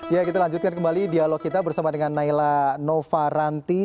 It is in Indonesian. ya kita lanjutkan kembali dialog kita bersama dengan naila nova ranti